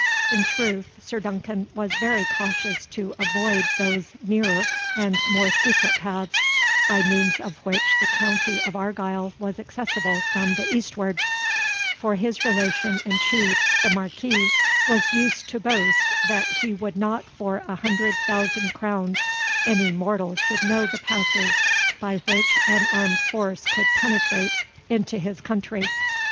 In truth, Sir Duncan was very cautious to avoid those nearer and more secret paths, by means of which the county of Argyle was accessible from the eastward; for his relation and chief, the Marquis, was used to boast, that he would not for a hundred thousand crowns any mortal should know the passes by which an armed force could penetrate into his country.